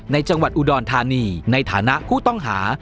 จังหวัดอุดรธานีในฐานะผู้ต้องหา